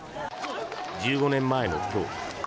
１５年前の今日